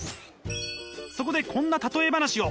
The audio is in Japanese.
そこでこんな例え話を。